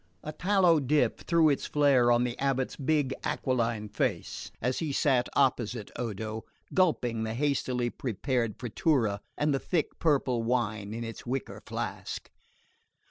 A tallow dip threw its flare on the abate's big aquiline face as he sat opposite Odo, gulping the hastily prepared frittura and the thick purple wine in its wicker flask.